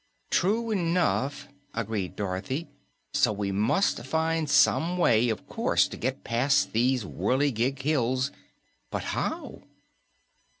"True enough," agreed Dorothy. "So we must find some way, of course, to get past these whirligig hills. But how?"